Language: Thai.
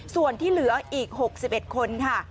ส่วนที่เหลืออีก๖๑คนค่ะ